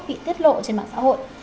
bị thiết lộ trên mạng xã hội